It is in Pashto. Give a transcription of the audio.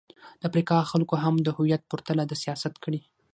د افریقا خلکو هم د هویت پر تله د سیاست کړې.